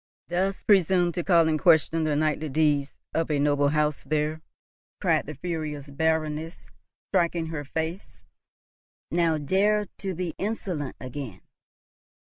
dost presume to call in question the knightly deeds of a noble house! There!" cried the furious Baroness, striking her face. "Now! dare to be insolent again."